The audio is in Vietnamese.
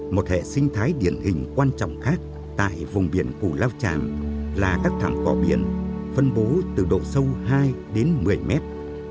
một hệ sinh thái điển hình quan trọng khác tại vùng biển củ lao tràm là các thẳng cỏ biển phân bố từ độ sâu hai đến một mươi mét